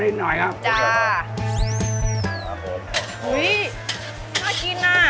งูหน่อยครับจะอุ๊ยน่ากินอ่ะ